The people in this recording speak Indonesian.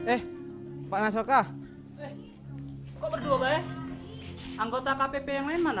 eh pak nasokkah companies